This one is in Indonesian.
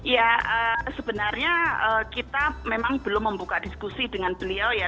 ya sebenarnya kita memang belum membuka diskusi dengan beliau ya